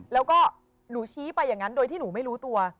แล้วก็หนูชี้ไปอย่างนั้นโดยที่หนูไม่รู้ตัว